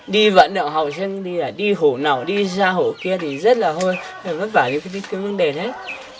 đi vận động đi hổ nào đi ra hổ kia thì rất là vất vả những cái vấn đề đấy